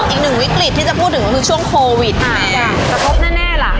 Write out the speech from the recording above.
อีกหนึ่งวิกฤตที่จะพูดถึงก็คือช่วงโควิดกระทบแน่ล่ะ